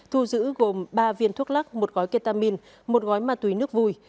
thu giữ gồm ba viên thuốc lắc một gói ketamin một gói ma túy nước vui